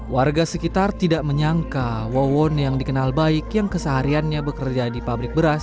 warga sekitar tidak menyangka wawon yang dikenal baik yang kesehariannya bekerja di pabrik beras